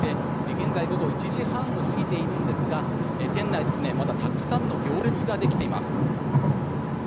現在、午後１時半を過ぎているんですが店内はまだ、たくさんの行列ができています。